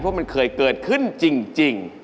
เพราะมันเคยเกิดขึ้นจริง